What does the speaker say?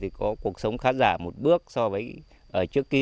thì có cuộc sống khá giả một bước so với trước kia